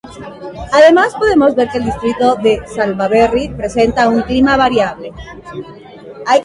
Además podemos ver que el distrito de Salaverry presenta un clima variable.